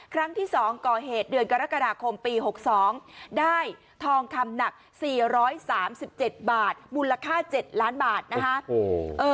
ครั้งที่๒ก่อเหตุเดือนกรกฎาคมปี๖๒ได้ทองคำหนัก๔๓๗บาทมูลค่า๗ล้านบาทนะคะ